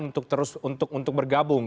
untuk terus untuk bergabung